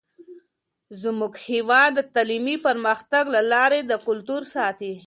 زموږ هیواد د تعلیمي پرمختګ له لارې د کلتور ساتئ.